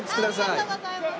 ありがとうございます。